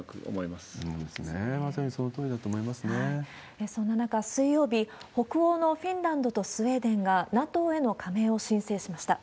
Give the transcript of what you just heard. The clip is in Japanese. まさにそのとおそんな中、水曜日、北欧のフィンランドとスウェーデンが、ＮＡＴＯへの加盟を申請しました。